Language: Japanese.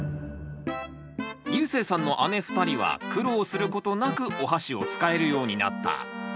ゆうせいさんの姉２人は苦労することなくおはしを使えるようになった。